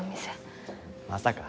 まさか。